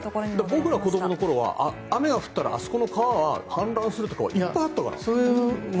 僕らが子供のころは雨が降ったらあそこの川が氾濫するとかはいっぱいあったから。